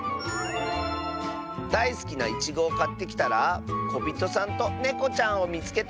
「だいすきないちごをかってきたらこびとさんとねこちゃんをみつけた！」。